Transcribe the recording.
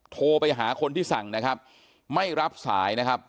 โทรไปหาคนที่สั่งนะครับไม่รับสายนะครับ